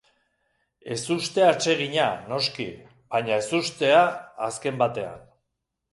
Ezuste atsegina, noski, baina ezustea azken batean.